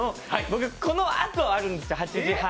僕、このあとあるんです、８時半。